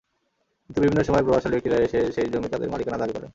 কিন্তু বিভিন্ন সময়ে প্রভাবশালী ব্যক্তিরা এসে সেই জমি তাঁদের মালিকানা দাবি করেন।